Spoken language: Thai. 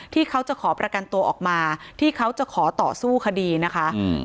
ที่เขาจะขอประกันตัวออกมาที่เขาจะขอต่อสู้คดีนะคะอืม